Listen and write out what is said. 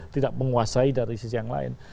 tidak menguasai dari sisi yang lain